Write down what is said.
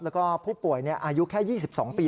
แล้วก็ผู้ป่วยอายุแค่๒๒ปีเท่านั้นนี่